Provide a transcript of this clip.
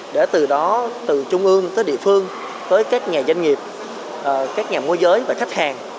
để từ đó từ trung ương tới địa phương tới các nhà doanh nghiệp các nhà mua giới và khách hàng